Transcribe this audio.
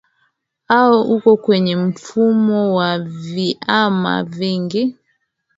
a uko kwenye mifumo wa viama vingi